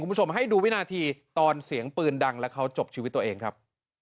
คุณผู้ชมให้ดูวินาทีตอนเสียงปืนดังแล้วเขาจบชีวิตตัวเองครับ